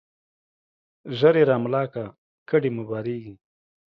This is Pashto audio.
ژر يې را ملا که ، کډي مو بارېږي.